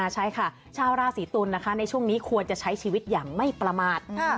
ใช่ค่ะชาวราศีตุลนะคะในช่วงนี้ควรจะใช้ชีวิตอย่างไม่ประมาท